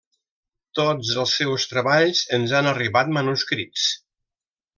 Tots els seus treballs ens han arribat manuscrits.